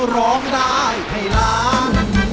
ร้องได้ให้ล้าน